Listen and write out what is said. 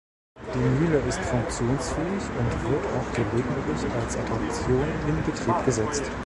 Die Mühle ist funktionsfähig und wird auch gelegentlich als Attraktion in Betrieb gesetzt.